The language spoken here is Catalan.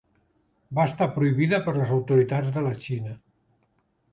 Va estar prohibida per les autoritats de la Xina.